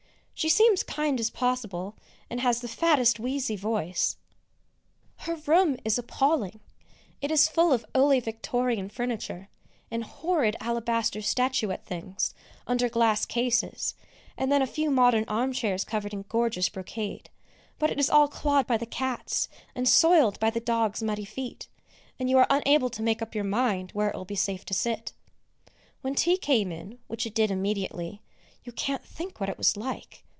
She seems as kind as possible, and has the fattest wheezy voice. [Sidenote: "Clever Darlings"] Her room is appalling; it is full of Early Victorian furniture, and horrid alabaster statuette things, under glass cases, and then a few modern armchairs covered in gorgeous brocade, but it is all clawed by the cats, and soiled by the dogs' muddy feet, and you are unable to make up your mind where it will be safe to sit. When tea came in, which it did immediately, you can't think what it was like!